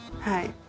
はい。